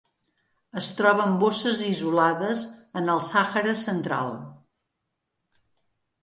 Es troba en bosses isolades en el Sàhara central.